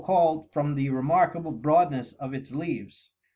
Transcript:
called from the remarkable broadness of its leaves.